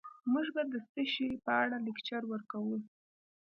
موږ به د څه شي په اړه لکچر ورکوو